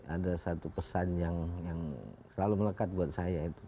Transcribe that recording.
ada satu pesan yang selalu melekat buat saya itu